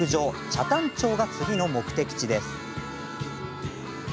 北谷町が次の目的地です。